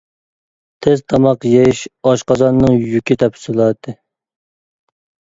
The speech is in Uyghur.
تېز تاماق يېيىش ئاشقازاننىڭ يۈكى. تەپسىلاتى.